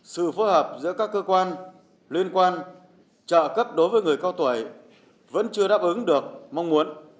sự phối hợp giữa các cơ quan liên quan trợ cấp đối với người cao tuổi vẫn chưa đáp ứng được mong muốn